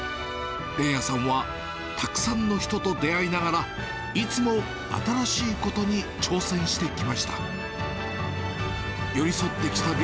連也さんはたくさんの人と出会いながら、いつも新しいことに挑戦してきました。